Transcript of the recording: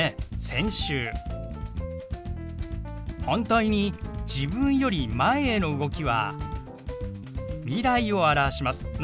反対に自分より前への動きは未来を表します。